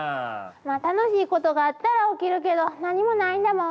まあ楽しいことがあったら起きるけど何もないんだもん。